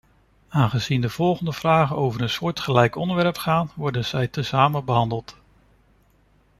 Aangezien de volgende vragen over een soortgelijk onderwerp gaan, worden zij tezamen behandeld.